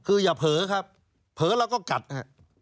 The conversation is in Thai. คืออย่าเผลอครับเผลอเราก็กัดครับ